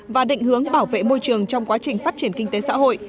và định hướng bảo vệ môi trường trong quá trình phát triển kinh tế xã hội